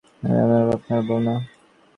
আমি আপনার মেয়ে, আপনার বউ না।